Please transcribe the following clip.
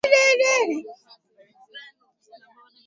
Taarifa hiyo haikutoa sababu ya Iran kusitisha kwa muda mazungumzo